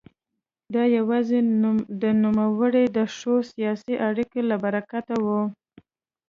دا یوازې د نوموړي د ښو سیاسي اړیکو له برکته وه.